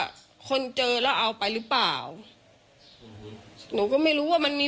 ตกลงไปจากรถไฟได้ยังไงสอบถามแล้วแต่ลูกชายก็ยังไง